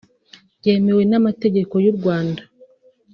byemewe n’amategeko y’u Rwanda